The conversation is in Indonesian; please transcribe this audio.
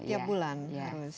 tiap bulan harus